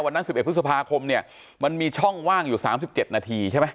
๑๑พฤษภาคมเนี่ยมันมีช่องว่างอยู่๓๗นาทีใช่ไหม